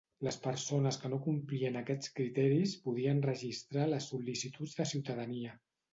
Les persones que no complien aquests criteris podien registrar les sol·licituds de ciutadania.